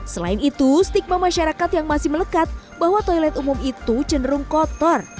selain itu stigma masyarakat yang masih melekat bahwa toilet umum itu cenderung kotor